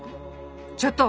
ちょっと！